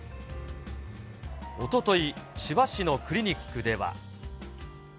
おととい、千葉市のクリニックでは。